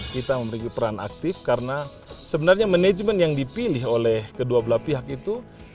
kita memiliki peran aktif karena sebenarnya manajemen yang dipilih oleh kedua belah pihak itu